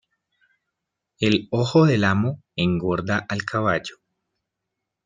El ojo del amo, engorda al caballo.